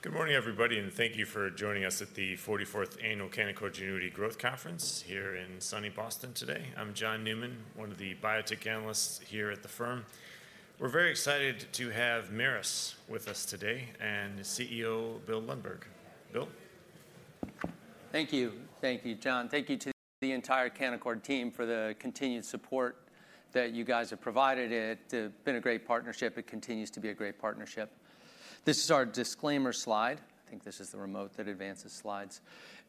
Good morning, everybody, and thank you for joining us at the 44th Annual Canaccord Genuity Growth Conference here in sunny Boston today. I'm John Newman, one of the biotech analysts here at the firm. We're very excited to have Merus with us today, and CEO Bill Lundberg. Bill? Thank you. Thank you, John. Thank you to the entire Canaccord team for the continued support that you guys have provided. It's been a great partnership. It continues to be a great partnership. This is our disclaimer slide. I think this is the remote that advances slides.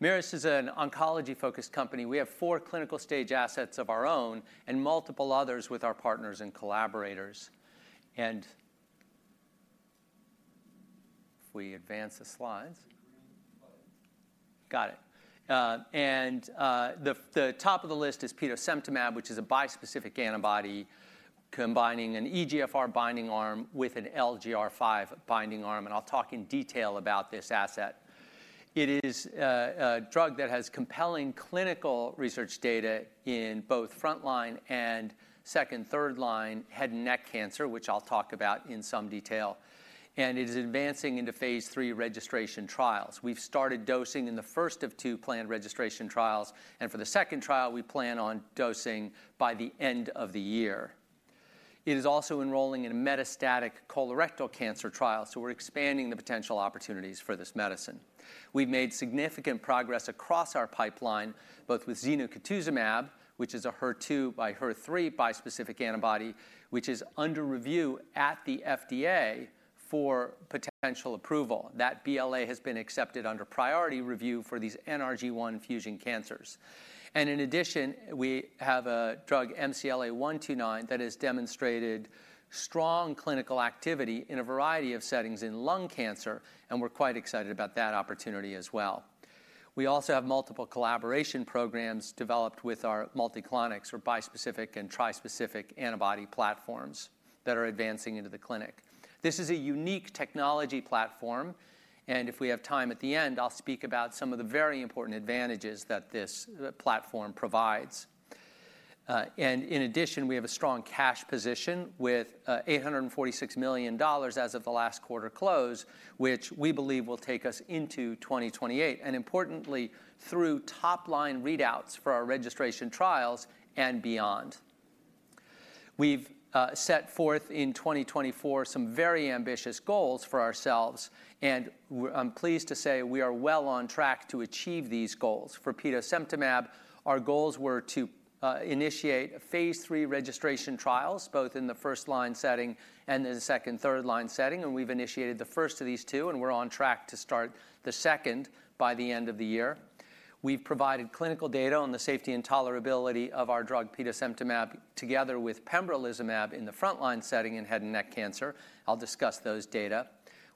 Merus is an oncology-focused company. We have four clinical stage assets of our own and multiple others with our partners and collaborators. If we advance the slides. ...Got it. And the top of the list is petosemtamab, which is a bispecific antibody combining an EGFR binding arm with an LGR5 binding arm, and I'll talk in detail about this asset. It is a drug that has compelling clinical research data in both frontline and second, third line head and neck cancer, which I'll talk about in some detail. It is advancing into Phase 3 registration trials. We've started dosing in the first of two planned registration trials, and for the second trial, we plan on dosing by the end of the year. It is also enrolling in a metastatic colorectal cancer trial, so we're expanding the potential opportunities for this medicine. We've made significant progress across our pipeline, both with zenocutuzumab, which is a HER2 and HER3 bispecific antibody, which is under review at the FDA for potential approval. That BLA has been accepted under priority review for these NRG1 fusion cancers. In addition, we have a drug, MCLA-129, that has demonstrated strong clinical activity in a variety of settings in lung cancer, and we're quite excited about that opportunity as well. We also have multiple collaboration programs developed with our Multiclonics or bispecific and trispecific antibody platforms that are advancing into the clinic. This is a unique technology platform, and if we have time at the end, I'll speak about some of the very important advantages that this, platform provides. In addition, we have a strong cash position with $846 million as of the last quarter close, which we believe will take us into 2028, and importantly, through top-line readouts for our registration trials and beyond. We've set forth in 2024 some very ambitious goals for ourselves, and I'm pleased to say we are well on track to achieve these goals. For petosemtamab, our goals were to initiate Phase 3 registration trials, both in the first-line setting and in the second, third-line setting, and we've initiated the first of these two, and we're on track to start the second by the end of the year. We've provided clinical data on the safety and tolerability of our drug, petosemtamab, together with pembrolizumab in the first-line setting in head and neck cancer. I'll discuss those data.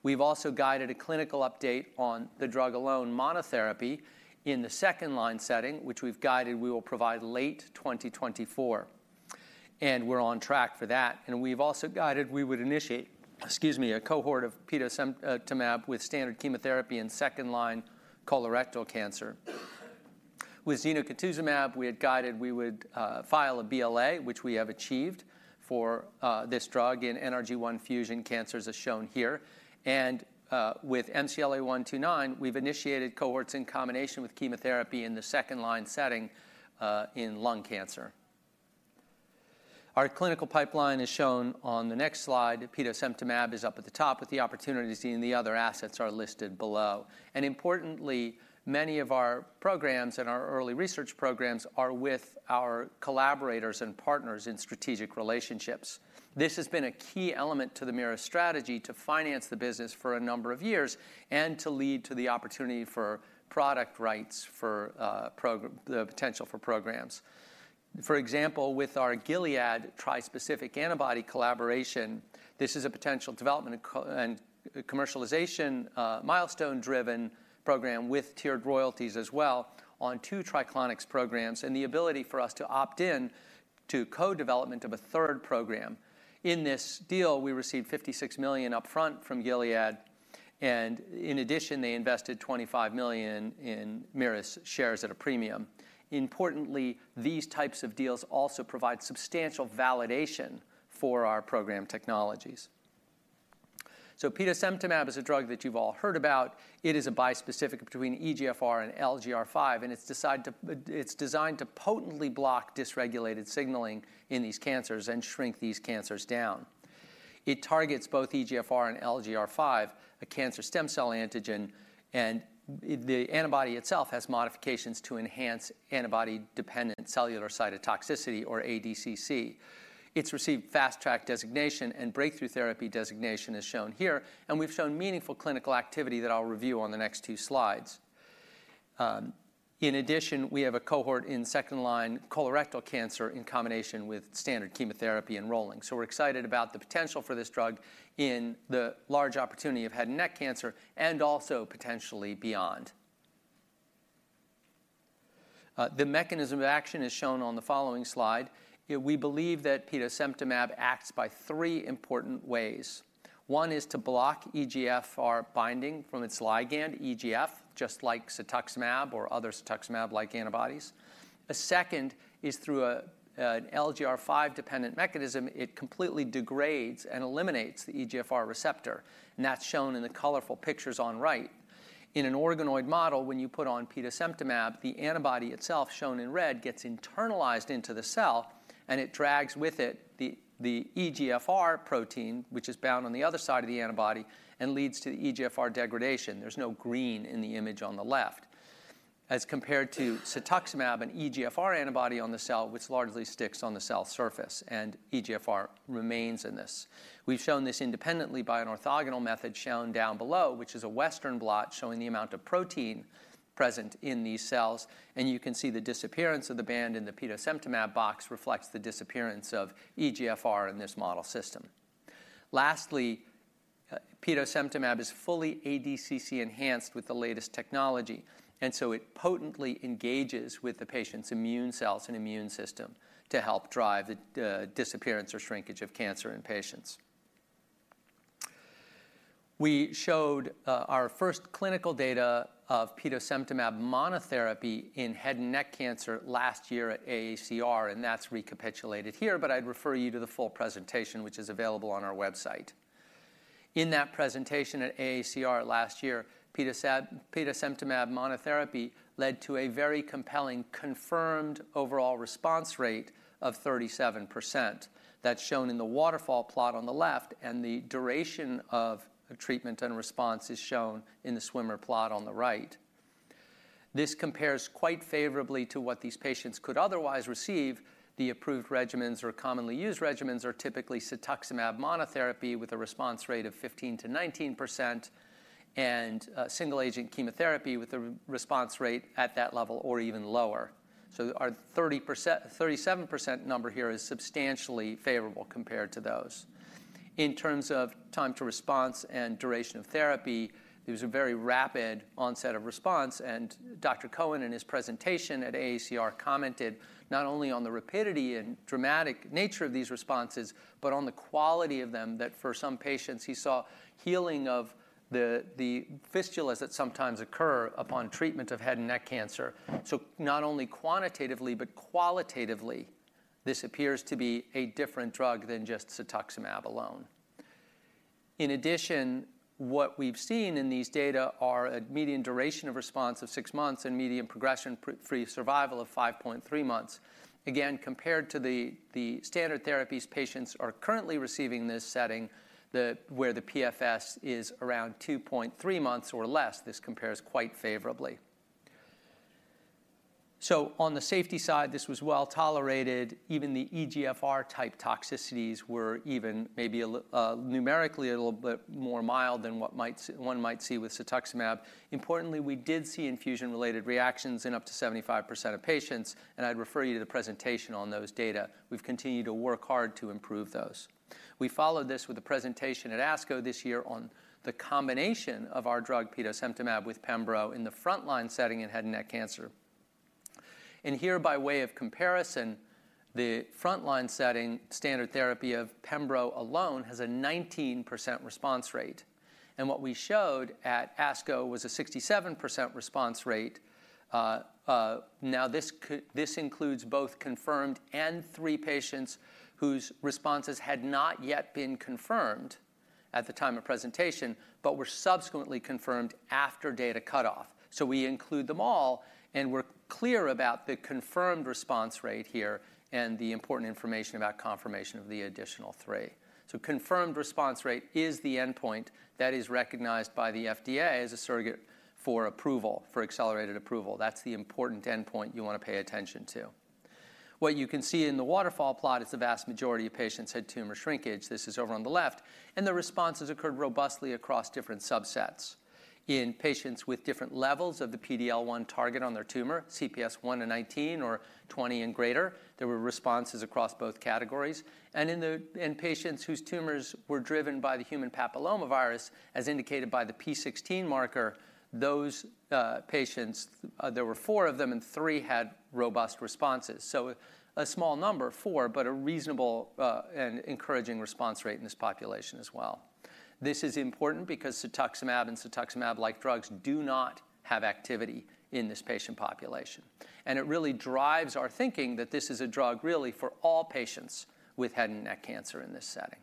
We've also guided a clinical update on the drug alone monotherapy in the second-line setting, which we've guided we will provide late 2024, and we're on track for that. And we've also guided we would initiate, excuse me, a cohort of petosemtamab with standard chemotherapy in second-line colorectal cancer. With zenocutuzumab, we had guided we would file a BLA, which we have achieved for this drug in NRG1 fusion cancers, as shown here. And with MCLA-129, we've initiated cohorts in combination with chemotherapy in the second-line setting in lung cancer. Our clinical pipeline is shown on the next slide. Petosemtamab is up at the top, with the opportunities, and the other assets are listed below. And importantly, many of our programs and our early research programs are with our collaborators and partners in strategic relationships. This has been a key element to the Merus strategy to finance the business for a number of years and to lead to the opportunity for product rights, for the potential for programs. For example, with our Gilead trispecific antibody collaboration, this is a potential development and commercialization, milestone-driven program with tiered royalties as well on two Triclonics programs, and the ability for us to opt in to co-development of a third program. In this deal, we received $56 million upfront from Gilead, and in addition, they invested $25 million in Merus shares at a premium. Importantly, these types of deals also provide substantial validation for our program technologies. So petosemtamab is a drug that you've all heard about. It is a bispecific between EGFR and LGR5, and it's designed to potently block dysregulated signaling in these cancers and shrink these cancers down. It targets both EGFR and LGR5, a cancer stem cell antigen, and the antibody itself has modifications to enhance antibody-dependent cellular cytotoxicity, or ADCC. It's received Fast Track designation and Breakthrough Therapy designation, as shown here, and we've shown meaningful clinical activity that I'll review on the next two slides. In addition, we have a cohort in second-line colorectal cancer in combination with standard chemotherapy enrolling. So we're excited about the potential for this drug in the large opportunity of head and neck cancer and also potentially beyond.... The mechanism of action is shown on the following slide. We believe that petosemtamab acts by three important ways. One is to block EGFR binding from its ligand, EGF, just like cetuximab or other cetuximab-like antibodies. The second is through an LGR5-dependent mechanism. It completely degrades and eliminates the EGFR receptor, and that's shown in the colorful pictures on right. In an organoid model, when you put on petosemtamab, the antibody itself, shown in red, gets internalized into the cell, and it drags with it the EGFR protein, which is bound on the other side of the antibody, and leads to the EGFR degradation. There's no green in the image on the left. As compared to cetuximab, an EGFR antibody on the cell, which largely sticks on the cell surface, and EGFR remains in this. We've shown this independently by an orthogonal method shown down below, which is a Western blot showing the amount of protein present in these cells, and you can see the disappearance of the band in the petosemtamab box reflects the disappearance of EGFR in this model system. Lastly, petosemtamab is fully ADCC-enhanced with the latest technology, and so it potently engages with the patient's immune cells and immune system to help drive the disappearance or shrinkage of cancer in patients. We showed our first clinical data of petosemtamab monotherapy in head and neck cancer last year at AACR, and that's recapitulated here, but I'd refer you to the full presentation, which is available on our website. In that presentation at AACR last year, petosemtamab monotherapy led to a very compelling confirmed overall response rate of 37%. That's shown in the waterfall plot on the left, and the duration of treatment and response is shown in the swimmer plot on the right. This compares quite favorably to what these patients could otherwise receive. The approved regimens or commonly used regimens are typically cetuximab monotherapy with a response rate of 15%-19%, and single agent chemotherapy with a response rate at that level or even lower. So our 30%-37% number here is substantially favorable compared to those. In terms of time to response and duration of therapy, there's a very rapid onset of response, and Dr. Cohen, in his presentation at AACR, commented not only on the rapidity and dramatic nature of these responses, but on the quality of them, that for some patients, he saw healing of the fistulas that sometimes occur upon treatment of head and neck cancer. So not only quantitatively, but qualitatively, this appears to be a different drug than just cetuximab alone. In addition, what we've seen in these data are a median duration of response of 6 months and median progression-free survival of 5.3 months. Again, compared to the standard therapies patients are currently receiving in this setting, where the PFS is around 2.3 months or less, this compares quite favorably. So on the safety side, this was well-tolerated. Even the EGFR type toxicities were even maybe numerically a little bit more mild than what one might see with cetuximab. Importantly, we did see infusion-related reactions in up to 75% of patients, and I'd refer you to the presentation on those data. We've continued to work hard to improve those. We followed this with a presentation at ASCO this year on the combination of our drug, petosemtamab, with pembro in the frontline setting in head and neck cancer. And here, by way of comparison, the frontline setting standard therapy of pembro alone has a 19% response rate, and what we showed at ASCO was a 67% response rate. Now, this includes both confirmed and three patients whose responses had not yet been confirmed at the time of presentation, but were subsequently confirmed after data cutoff. So we include them all, and we're clear about the confirmed response rate here and the important information about confirmation of the additional three. So confirmed response rate is the endpoint that is recognized by the FDA as a surrogate for approval, for accelerated approval. That's the important endpoint you wanna pay attention to. What you can see in the waterfall plot is the vast majority of patients had tumor shrinkage, this is over on the left, and the responses occurred robustly across different subsets. In patients with different levels of the PD-L1 target on their tumor, CPS 1-19 or 20 and greater, there were responses across both categories. In patients whose tumors were driven by the human papillomavirus, as indicated by the p16 marker, those, patients, there were 4 of them, and 3 had robust responses. So a small number, 4, but a reasonable, and encouraging response rate in this population as well. This is important because cetuximab and cetuximab-like drugs do not have activity in this patient population, and it really drives our thinking that this is a drug really for all patients with head and neck cancer in this setting.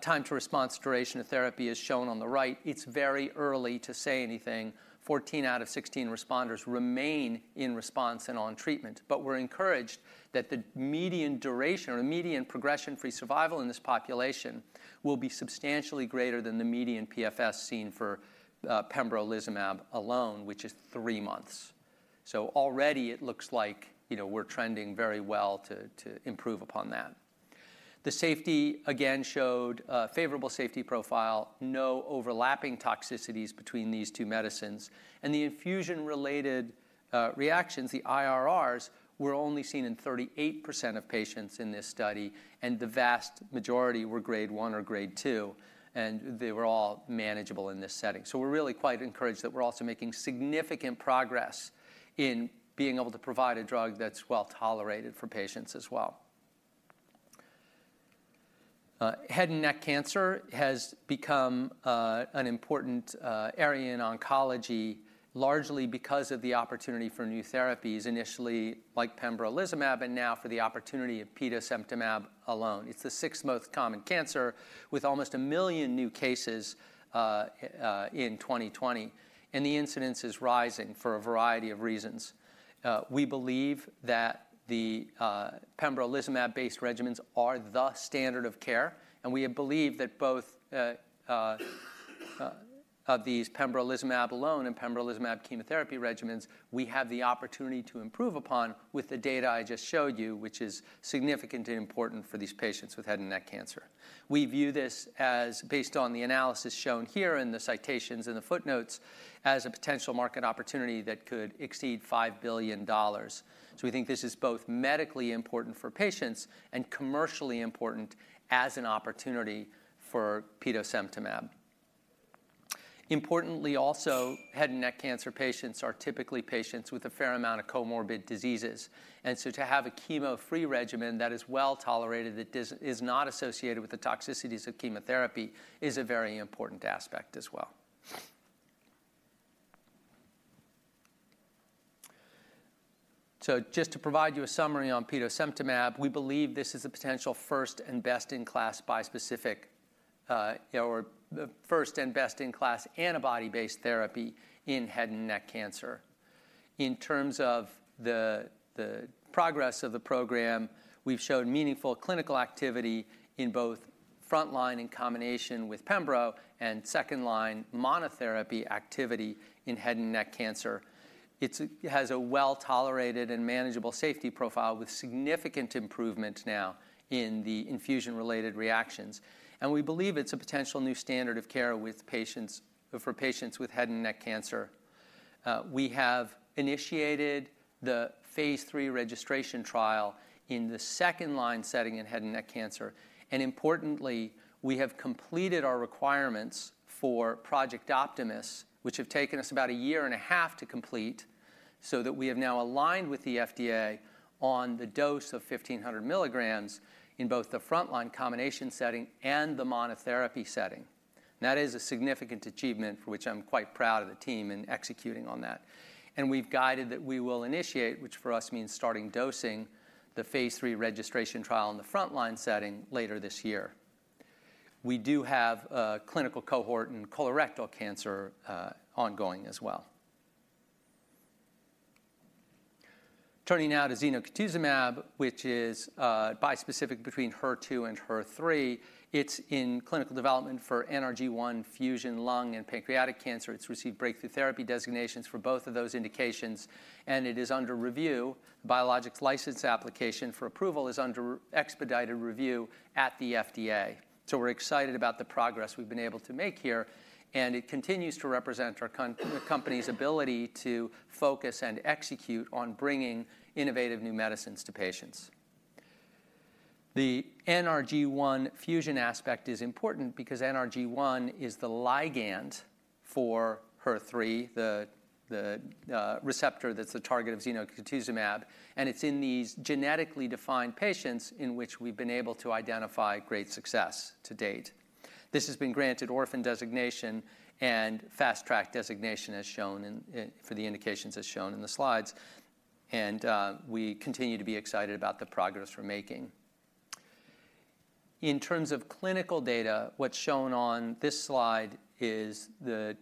Time to response, duration of therapy is shown on the right. It's very early to say anything. 14 out of 16 responders remain in response and on treatment, but we're encouraged that the median duration or median progression-free survival in this population will be substantially greater than the median PFS seen for pembrolizumab alone, which is 3 months. So already it looks like, you know, we're trending very well to improve upon that. The safety again showed a favorable safety profile, no overlapping toxicities between these two medicines, and the infusion-related reactions, the IRRs, were only seen in 38% of patients in this study, and the vast majority were Grade 1 or Grade 2, and they were all manageable in this setting. So we're really quite encouraged that we're also making significant progress in being able to provide a drug that's well-tolerated for patients as well. Head and neck cancer has become an important area in oncology, largely because of the opportunity for new therapies, initially, like pembrolizumab, and now for the opportunity of petosemtamab alone. It's the sixth most common cancer, with almost a million new cases in 2020, and the incidence is rising for a variety of reasons. We believe that the pembrolizumab-based regimens are the standard of care, and we have believed that both of these pembrolizumab alone and pembrolizumab chemotherapy regimens, we have the opportunity to improve upon with the data I just showed you, which is significantly important for these patients with head and neck cancer. We view this as, based on the analysis shown here in the citations and the footnotes, as a potential market opportunity that could exceed $5 billion. So we think this is both medically important for patients and commercially important as an opportunity for petosemtamab. Importantly, also, head and neck cancer patients are typically patients with a fair amount of comorbid diseases, and so to have a chemo-free regimen that is well-tolerated, that is not associated with the toxicities of chemotherapy, is a very important aspect as well. So just to provide you a summary on petosemtamab, we believe this is a potential first and best-in-class bispecific, or the first and best-in-class antibody-based therapy in head and neck cancer. In terms of the progress of the program, we've shown meaningful clinical activity in both frontline in combination with pembro and second-line monotherapy activity in head and neck cancer. It has a well-tolerated and manageable safety profile, with significant improvement now in the infusion-related reactions. And we believe it's a potential new standard of care for patients with head and neck cancer. We have initiated the Phase 3 registration trial in the second-line setting in head and neck cancer, and importantly, we have completed our requirements for Project Optimus, which have taken us about a year and a half to complete, so that we have now aligned with the FDA on the dose of 1500 milligrams in both the frontline combination setting and the monotherapy setting. That is a significant achievement, for which I'm quite proud of the team in executing on that. We've guided that we will initiate, which for us means starting dosing, the Phase 3 registration trial in the frontline setting later this year. We do have a clinical cohort in colorectal cancer, ongoing as well. Turning now to zenocutuzumab, which is bispecific between HER2 and HER3. It's in clinical development for NRG1 fusion lung and pancreatic cancer. It's received breakthrough therapy designations for both of those indications, and it is under review. Biologics License Application for approval is under expedited review at the FDA. So we're excited about the progress we've been able to make here, and it continues to represent our company's ability to focus and execute on bringing innovative new medicines to patients. The NRG1 fusion aspect is important because NRG1 is the ligand for HER3, the receptor that's the target of zenocutuzumab, and it's in these genetically defined patients in which we've been able to identify great success to date. This has been granted orphan designation and Fast Track designation, as shown in, for the indications as shown in the slides, and, we continue to be excited about the progress we're making. In terms of clinical data, what's shown on this slide is the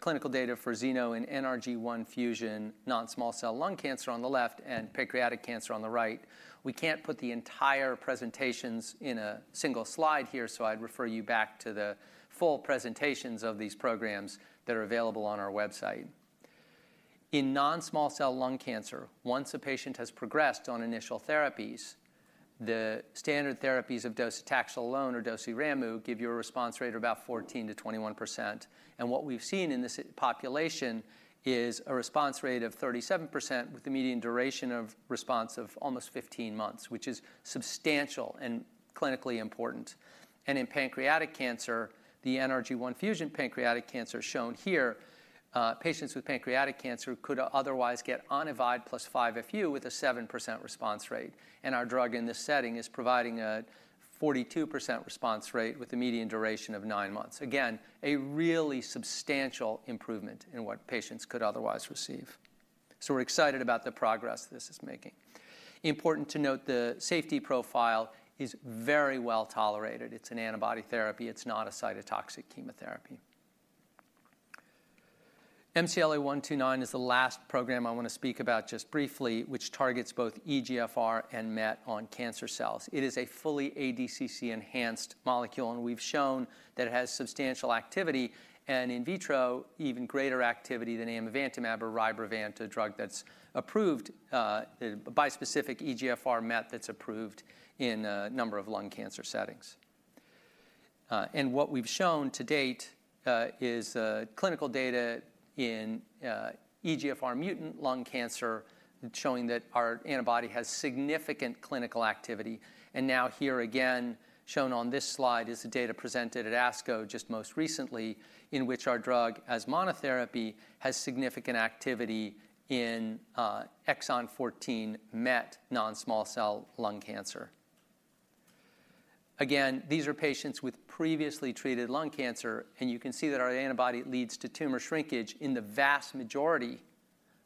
clinical data for zeno and NRG1 fusion, non-small cell lung cancer on the left and pancreatic cancer on the right. We can't put the entire presentations in a single slide here, so I'd refer you back to the full presentations of these programs that are available on our website. In non-small cell lung cancer, once a patient has progressed on initial therapies, the standard therapies of docetaxel alone or docetaxel give you a response rate of about 14%-21%. What we've seen in this population is a response rate of 37%, with the median duration of response of almost 15 months, which is substantial and clinically important. In pancreatic cancer, the NRG1 fusion pancreatic cancer shown here, patients with pancreatic cancer could otherwise get Onivyde plus 5-FU, with a 7% response rate. Our drug in this setting is providing a 42% response rate, with a median duration of nine months. Again, a really substantial improvement in what patients could otherwise receive. We're excited about the progress this is making. Important to note, the safety profile is very well tolerated. It's an antibody therapy. It's not a cytotoxic chemotherapy. MCLA-129 is the last program I wanna speak about, just briefly, which targets both EGFR and MET on cancer cells. It is a fully ADCC-enhanced molecule, and we've shown that it has substantial activity, and in vitro, even greater activity than amivantamab or Rybrevant, a drug that's approved, a bispecific EGFR/MET that's approved in a number of lung cancer settings. And what we've shown to date is clinical data in EGFR mutant lung cancer, showing that our antibody has significant clinical activity. Shown on this slide is the data presented at ASCO just most recently, in which our drug as monotherapy has significant activity in exon 14 MET non-small cell lung cancer. Again, these are patients with previously treated lung cancer, and you can see that our antibody leads to tumor shrinkage in the vast majority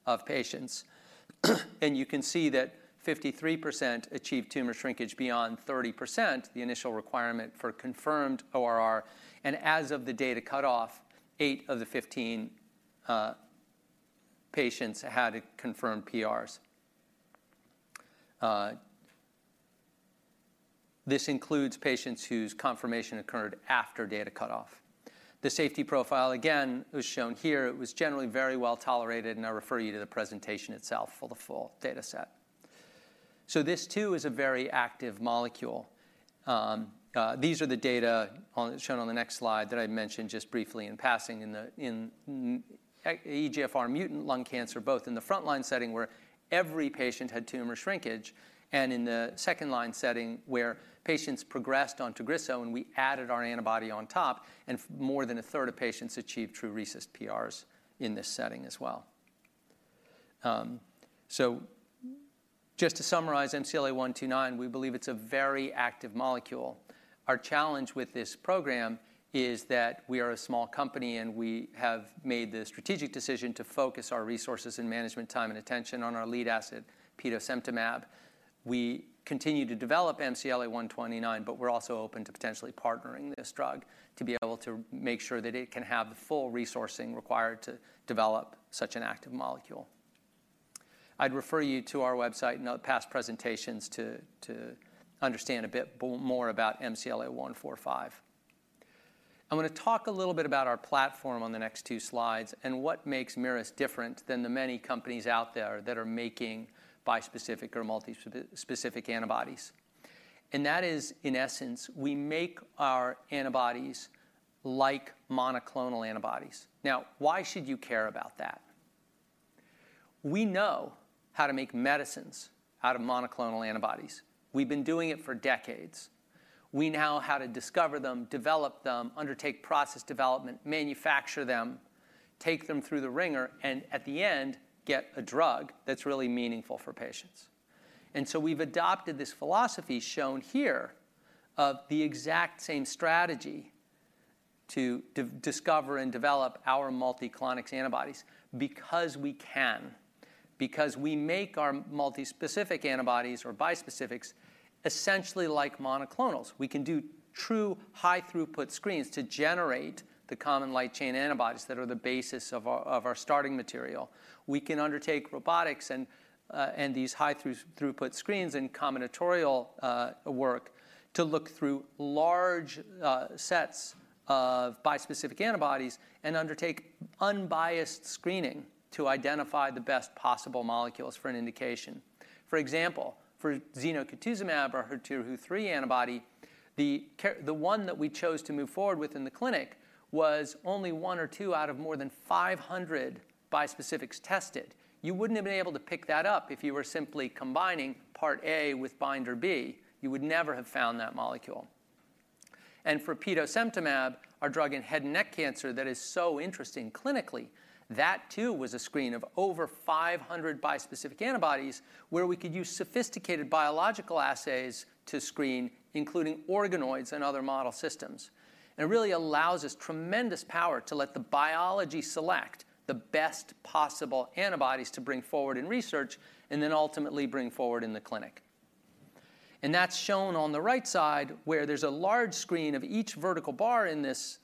of patients. You can see that 53% achieved tumor shrinkage beyond 30%, the initial requirement for confirmed ORR. As of the data cutoff, eight of the fifteen patients had confirmed PRs. This includes patients whose confirmation occurred after data cutoff. The safety profile, again, is shown here. It was generally very well tolerated, and I refer you to the presentation itself for the full data set. This, too, is a very active molecule. These are the data shown on the next slide that I mentioned just briefly in passing in EGFR mutant lung cancer, both in the frontline setting, where every patient had tumor shrinkage, and in the second line setting, where patients progressed on Tagrisso, and we added our antibody on top, and more than a third of patients achieved true RECIST PRs in this setting as well. So just to summarize MCLA-129, we believe it's a very active molecule. Our challenge with this program is that we are a small company, and we have made the strategic decision to focus our resources and management time and attention on our lead asset, petosemtamab. We continue to develop MCLA-129, but we're also open to potentially partnering this drug to be able to make sure that it can have the full resourcing required to develop such an active molecule. I'd refer you to our website and our past presentations to understand a bit more about MCLA-145. I'm gonna talk a little bit about our platform on the next two slides and what makes Merus different than the many companies out there that are making bispecific or multispecific antibodies. And that is, in essence, we make our antibodies like monoclonal antibodies. Now, why should you care about that? We know how to make medicines out of monoclonal antibodies. We've been doing it for decades. We know how to discover them, develop them, undertake process development, manufacture them, take them through the wringer, and at the end, get a drug that's really meaningful for patients. And so we've adopted this philosophy, shown here, of the exact same strategy to discover and develop our Multiclonics antibodies, because we can. Because we make our multispecific antibodies or bispecifics, essentially like monoclonals. We can do true high-throughput screens to generate the common light chain antibodies that are the basis of our starting material. We can undertake robotics and these high-throughput screens and combinatorial work to look through large sets of bispecific antibodies and undertake unbiased screening to identify the best possible molecules for an indication. For example, for zenocutuzumab, our HER2/HER3 antibody, the one that we chose to move forward with in the clinic was only one or two out of more than 500 bispecifics tested. You wouldn't have been able to pick that up if you were simply combining part A with binder B. You would never have found that molecule. And for petosemtamab, our drug in head and neck cancer that is so interesting clinically, that too was a screen of over 500 bispecific antibodies, where we could use sophisticated biological assays to screen, including organoids and other model systems. And it really allows us tremendous power to let the biology select the best possible antibodies to bring forward in research and then ultimately bring forward in the clinic. That's shown on the right side, where there's a large screen of each vertical bar in this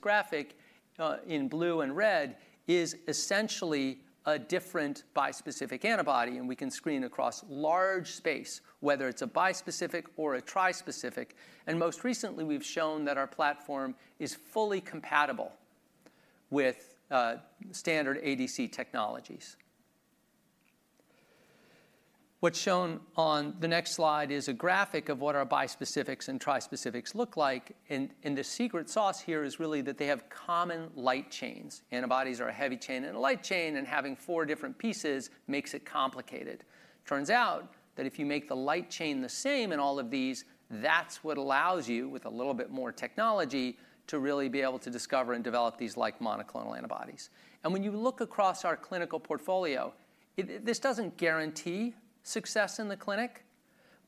graphic in blue and red is essentially a different bispecific antibody, and we can screen across large space, whether it's a bispecific or a trispecific. Most recently, we've shown that our platform is fully compatible with standard ADC technologies. What's shown on the next slide is a graphic of what our bispecifics and trispecifics look like. The secret sauce here is really that they have common light chains. Antibodies are a heavy chain and a light chain, and having four different pieces makes it complicated. Turns out that if you make the light chain the same in all of these, that's what allows you, with a little bit more technology, to really be able to discover and develop these like monoclonal antibodies. And when you look across our clinical portfolio, this doesn't guarantee success in the clinic,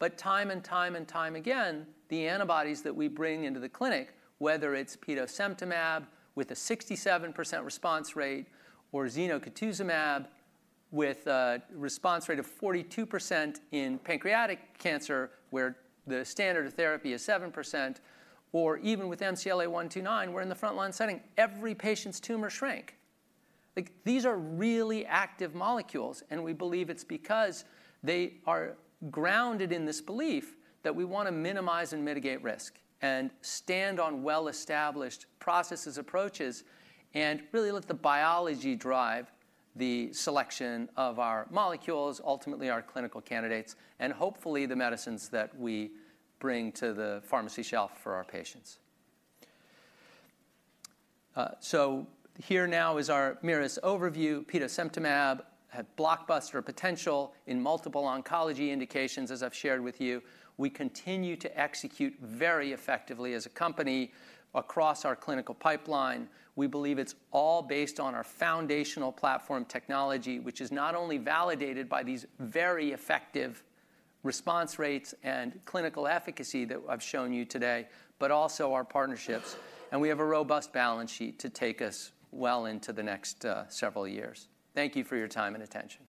but time and time and time again, the antibodies that we bring into the clinic, whether it's petosemtamab, with a 67% response rate, or zenocutuzumab, with a response rate of 42% in pancreatic cancer, where the standard of therapy is 7%, or even with MCLA-129, we're in the frontline setting, every patient's tumor shrank. Like, these are really active molecules, and we believe it's because they are grounded in this belief that we wanna minimize and mitigate risk and stand on well-established processes, approaches, and really let the biology drive the selection of our molecules, ultimately our clinical candidates, and hopefully, the medicines that we bring to the pharmacy shelf for our patients. So here now is our Merus overview. Petosemtamab had blockbuster potential in multiple oncology indications, as I've shared with you. We continue to execute very effectively as a company across our clinical pipeline. We believe it's all based on our foundational platform technology, which is not only validated by these very effective response rates and clinical efficacy that I've shown you today, but also our partnerships. And we have a robust balance sheet to take us well into the next several years. Thank you for your time and attention.